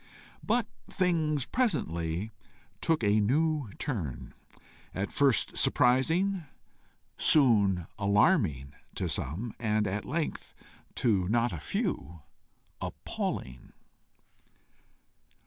But things presently took a new turn, at first surprising, soon alarming to some, and at length, to not a few, appalling.